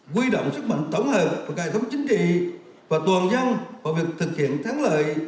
quy động sức mạnh tổng hợp của cài thống chính trị và toàn dân vào việc thực hiện thắng lợi